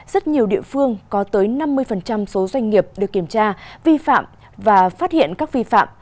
rất nhiều địa phương có tới năm mươi số doanh nghiệp được kiểm tra vi phạm và phát hiện các vi phạm